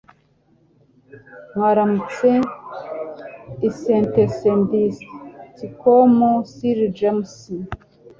Mwaramutse, [sentencedictcom] Sir James